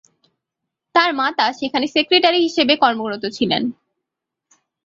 তার মাতা সেখানে সেক্রেটারি হিসেবে কর্মরত ছিলেন।